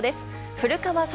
古川聡